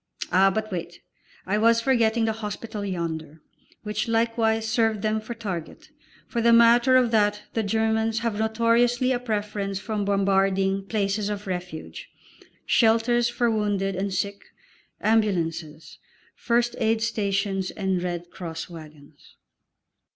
Ah, but wait! I was forgetting the hospital yonder, which likewise served them for target; for the matter of that the Germans have notoriously a preference for bombarding places of refuge, shelters for wounded and sick, ambulances, first aid stations and Red Cross wagons.